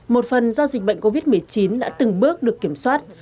một phần do dịch bệnh covid một mươi chín đã từng bước được kiểm soát